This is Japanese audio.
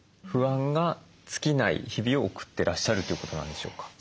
不安が尽きない日々を送ってらっしゃるということなんでしょうか？